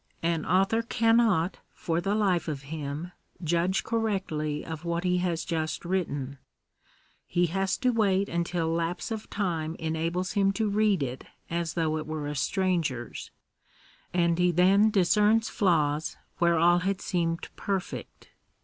An author cannot, for the life of him, judge correctly of what he has just written ; he has to wait until lapse of time enables him to read it as though it were a stranger's, and he then discerns flaws where all had seemed perfect.